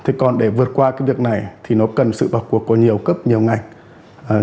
thế còn để vượt qua cái việc này thì nó cần sự vào cuộc của nhiều cấp nhiều ngành